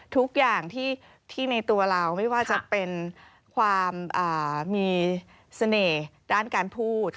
ทุกอย่างที่ในตัวเราไม่ว่าจะเป็นความมีเสน่ห์ด้านการพูด